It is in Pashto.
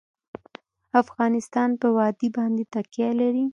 افغانستان په وادي باندې تکیه لري.